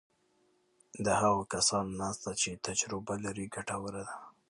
د هغو کسانو ناسته چې تجربه لري ګټوره ده.